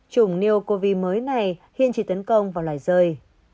chủng neocov mới này hiện chỉ tấn công vào loài rơi